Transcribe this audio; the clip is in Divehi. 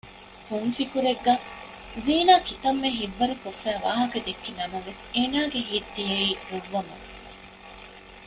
ކޮން ފިކުރެއްގަ؟ ; ޒީނާ ކިތައްމެ ހިތްވަރުކޮށްފައި ވާހަކަ ދެއްކި ނަމަވެސް އޭނަގެ ހިތް ދިޔައީ ރޮއްވަމުން